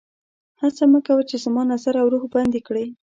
هڅه مه کوه چې زما نظر او روح بندي کړي